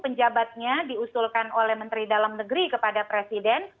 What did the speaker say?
penjabatnya diusulkan oleh menteri dalam negeri kepada presiden